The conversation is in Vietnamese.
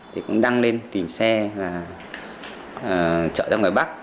thì cũng đăng lên tìm xe và chợ ra ngoài bắc